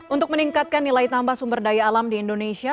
untuk meningkatkan nilai tambah sumber daya alam di indonesia